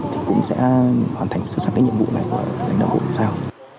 thì cũng sẽ hoàn thành sửa sẵn cái nhiệm vụ này của đồng bào công tác